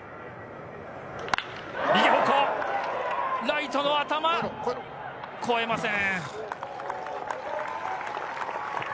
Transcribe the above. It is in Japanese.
右方向、ライトの頭、越えません。